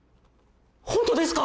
ホントですか！？